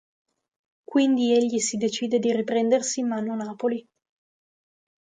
Quindi egli si decide di riprendersi in mano Napoli.